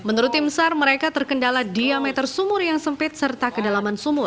menurut tim sar mereka terkendala diameter sumur yang sempit serta kedalaman sumur